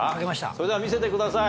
それでは見せてください。